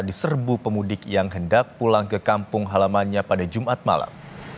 diserbu pemudik yang hendak pulang ke kampung halamannya pada jumat malam